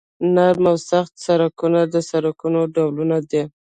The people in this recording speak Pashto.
نرم او سخت سرکونه د سرکونو ډولونه دي